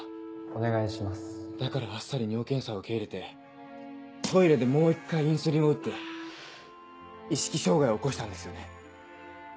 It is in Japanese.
お願いしますだからあっさり尿検査を受け入れてトイレでもう一回インスリンを打って意識障害を起こしたんですよね？